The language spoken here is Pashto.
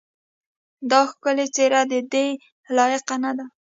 دا ښکلې څېره ددې لایقه نه ده.